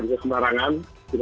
kita juga dari awal harus pungkin